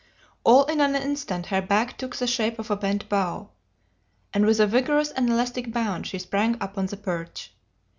"All in an instant her back took the shape of a bent bow, and with a vigorous and elastic bound she sprang upon the perch.